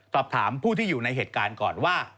สอบถามผู้ที่อยู่ในเหตุการณ์ก่อนว่า